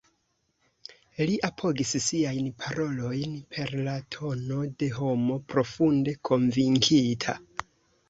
Li apogis siajn parolojn per la tono de homo profunde konvinkita.